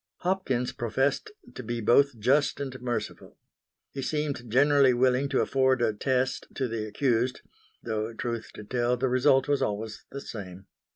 Hopkins professed to be both just and merciful. He seemed generally willing to afford a "test" to the accused; though, truth to tell, the result was always the same.